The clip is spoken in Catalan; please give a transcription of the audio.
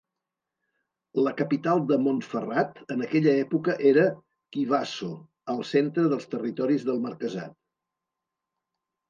La capital de Montferrat en aquella època era Chivasso, al centre dels territoris del marquesat.